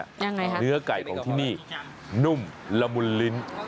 ยังไงคะเนื้อไก่ของที่นี่นุ่มละมุนลิ้น